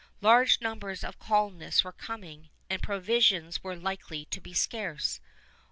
Large numbers of colonists were coming, and provisions were likely to be scarce.